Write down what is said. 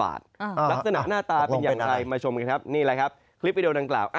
ลักษณะหน้าตาเป็นอย่างไรมาชมกันครับนี่แหละครับคลิปวิดีโอดังกล่าว